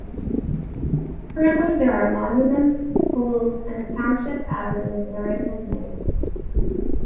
Currently, there are monuments, schools, and a township avenue bearing his name.